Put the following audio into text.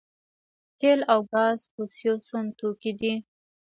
تیل او ګاز فوسیل سون توکي دي